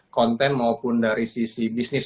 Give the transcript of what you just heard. konten maupun dari sisi bisnis